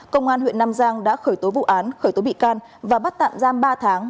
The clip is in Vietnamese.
công an huyện nam giang đã khởi tố vụ án khởi tố bị can và bắt tạm giam ba tháng